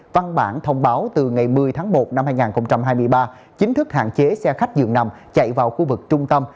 văn bản thông báo từ ngày một mươi tháng một năm hai nghìn hai mươi ba chính thức hạn chế xe khách dường nằm chạy vào khu vực trung tâm